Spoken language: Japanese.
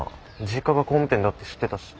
実家が工務店だって知ってたし。